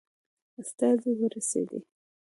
استازی ورسېدی.